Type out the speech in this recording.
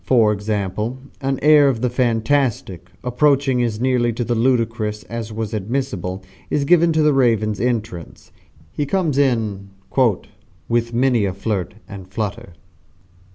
For example, an air of the fantastic approaching as nearly to the ludicrous as was admissible is given to the Raven's entrance. He comes in "with many a flirt and flutter."